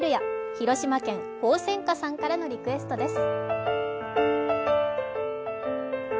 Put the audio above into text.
広島県・ほうせんかさんからのリクエストです。